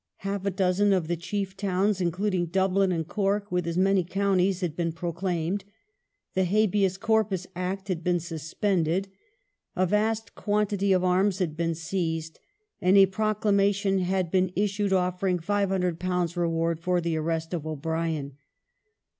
Half a dozen of the chief towns (including Dublin and Cork) with as many counties had been proclaimed ; the Habeas Corpus Act had been suspended ; a vast quantity of arms had been seized, and a proclamation had been issued offering £500 reward for the arrest of O'Brien.